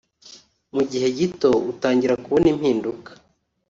mu gihe gito utangira kubona impinduka